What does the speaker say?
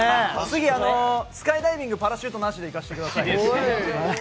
次、スカイダイビング、パラシュートなしでいかせてください。